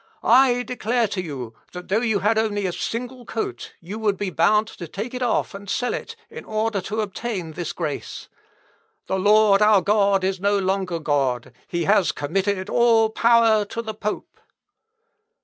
I declare to you, that though you had only a single coat, you would be bound to take it off and sell it, in order to obtain this grace.... The Lord our God is no longer God. He has committed all power to the pope."